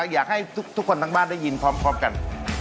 อยากให้ทุกคนทั้งบ้านได้ยินพร้อมกัน